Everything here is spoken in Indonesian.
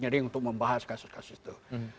nyering untuk membahas kasus kasus itu